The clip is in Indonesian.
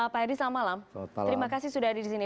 pak heri selamat malam terima kasih sudah hadir di sini